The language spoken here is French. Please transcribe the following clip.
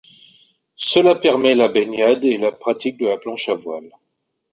Cela permet la baignade et la pratique de la planche à voile.